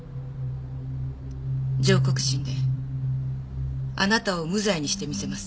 上告審であなたを無罪にしてみせます。